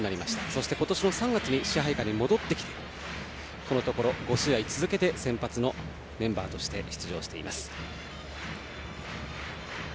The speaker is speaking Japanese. そして今年の３月に支配下に戻ってきてこのところ５試合続けて先発のメンバーとして出場しています。